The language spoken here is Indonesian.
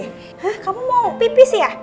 hah kamu mau pipis ya